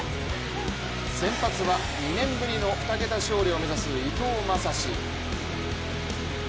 先発は２年ぶりの２桁勝利を目指す伊藤将司。